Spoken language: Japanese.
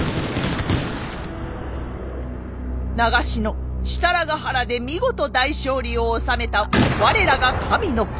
長篠設楽原で見事大勝利を収めた我らが神の君。